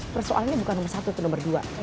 persoalan ini bukan nomor satu atau nomor dua